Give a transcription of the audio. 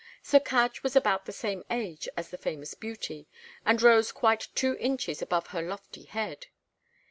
Sir Cadge was about the same age as the famous beauty, and rose quite two inches above her lofty head.